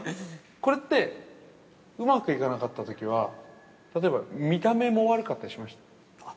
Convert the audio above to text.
これって、うまくいかなかったときは、例えば見た目も悪かったりしました？